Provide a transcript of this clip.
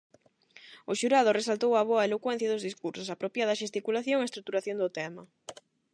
O xurado resaltou a boa elocuencia dos discursos, a apropiada xesticulación e a estruturación do tema.